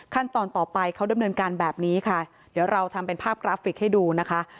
ขั้นตอนต่อไปเขาดำเนินการแบบนี้ค่ะเดี๋ยวเราทำเป็นภาพกราฟิกให้ดูนะคะ